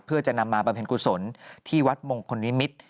เพื่อจะนำมาบำเพ็ญกุศลที่วัดมงคลนิมิตร